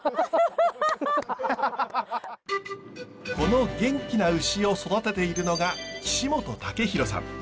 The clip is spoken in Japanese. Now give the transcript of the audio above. この元気な牛を育てているのが岸本壮弘さん。